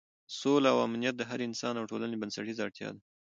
سوله او امنیت د هر انسان او ټولنې بنسټیزه اړتیا ده.